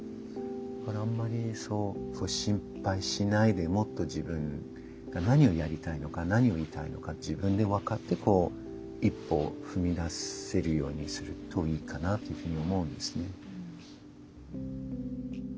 だからあんまり心配しないでもっと自分が何をやりたいのか何を言いたいのか自分で分かってこう一歩踏み出せるようにするといいかなというふうに思うんですね。